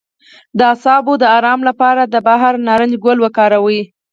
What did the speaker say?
د اعصابو د ارام لپاره د بهار نارنج ګل وکاروئ